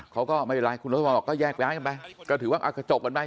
เขาก็ไม่เป็นไรคุณรัชพรบอกก็แยกย้ายกันไปก็ถือว่าก็จบกันไป